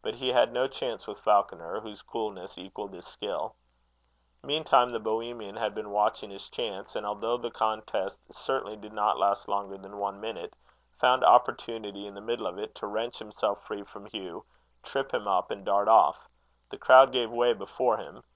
But he had no chance with Falconer, whose coolness equalled his skill. Meantime, the Bohemian had been watching his chance; and although the contest certainly did not last longer than one minute, found opportunity, in the middle of it, to wrench himself free from Hugh, trip him up, and dart off. The crowd gave way before him.